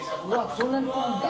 そんなにあるんだ。